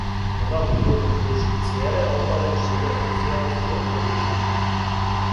Многи људи дуж цијеле обале живе у цјелости од туризма.